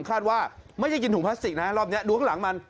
คาดว่าไม่ได้กินถุงพลาสติกนะรอบนี้ดูข้างหลังมัน